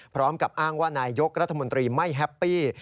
พร้อมกับอ้างว่านายยกรัฐมนตรีไม่แฮปปี้